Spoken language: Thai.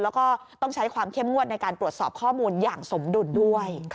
แล้วก็ต้องใช้ความเข้มงวดในการตรวจสอบข้อมูลอย่างสมดุลด้วย